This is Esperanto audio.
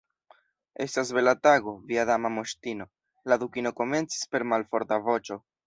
"Estas bela tago, via Dama Moŝtino," la Dukino komencis per malforta voĉo.